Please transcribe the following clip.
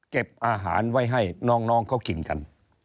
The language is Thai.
เก็บอาหารไว้ให้น้องเขากินกัน